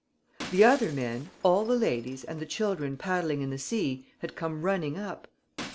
The other men, all the ladies and the children paddling in the sea had come running up.